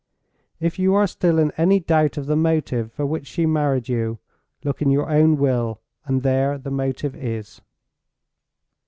If you are still in any doubt of the motive for which she married you, look in your own will—and there the motive is!"